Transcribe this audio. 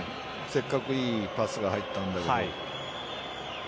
せっかくいいパスが入ったんだけど。